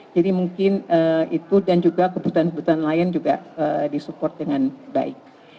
jadi mungkin itu dan juga kebutuhan kebutuhan lain juga disupport dengan baik